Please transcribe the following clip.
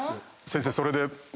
先生それで。